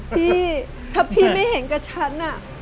พี่ถ้าพี่ไม่เห็นกับฉัน